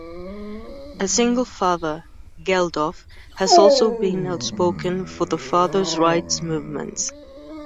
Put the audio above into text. A single father, Geldof has also been outspoken for the fathers' rights movement.